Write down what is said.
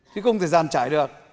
khi không thời gian trải được